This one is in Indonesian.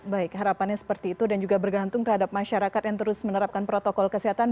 baik harapannya seperti itu dan juga bergantung terhadap masyarakat yang terus menerapkan protokol kesehatan